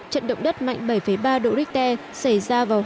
trận động đất mạnh bảy ba độ richter xảy ra vào hai mươi một giờ